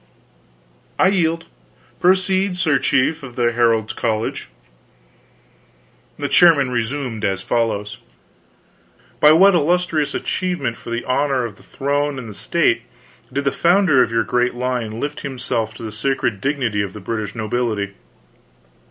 "I yield. Proceed, sir Chief of the Herald's College." The chairman resumed as follows: "By what illustrious achievement for the honor of the Throne and State did the founder of your great line lift himself to the sacred dignity of the British nobility?"